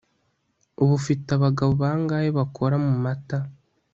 ubu ufite abagabo bangahe bakora mu mata